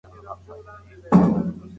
له شپږو میاشتو وروسته نرم خواړه پیل کړئ.